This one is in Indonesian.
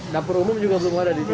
dapur umum juga belum ada di situ